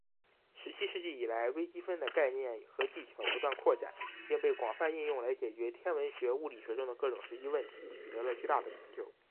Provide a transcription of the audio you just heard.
十七世纪以来，微积分的概念和技巧不断扩展并被广泛应用来解决天文学、物理学中的各种实际问题，取得了巨大的成就。